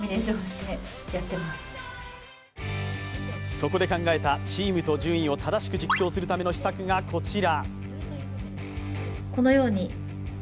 そこで考えたチームと順位を正しく実況するための秘策がこちら。